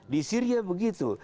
di syria begitu